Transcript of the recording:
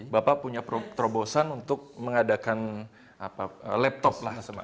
bapak punya terobosan untuk mengadakan laptop lah